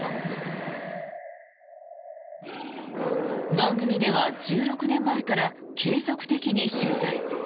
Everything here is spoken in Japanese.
番組では１６年前から継続的に取材。